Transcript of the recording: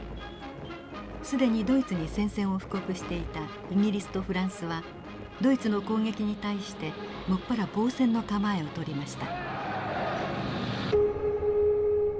既にドイツに宣戦を布告していたイギリスとフランスはドイツの攻撃に対して専ら防戦の構えをとりました。